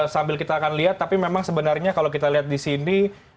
sambil kita akan lihat tapi memang sebenarnya kalau kita lihat di sini